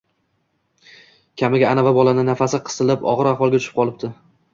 Kamiga anavi bolani nafasi qisilib ogʻir ahvolga tushib qolibdi